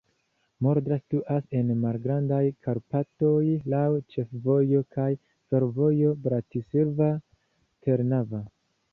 Modra situas en Malgrandaj Karpatoj, laŭ ĉefvojo kaj fervojo Bratislava-Trnava.